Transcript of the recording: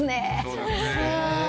そうですね。